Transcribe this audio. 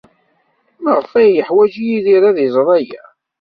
Maɣef ay yeḥwaj Yidir ad iẓer aya?